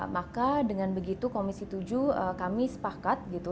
maka dengan begitu komisi tujuh kami sepakat gitu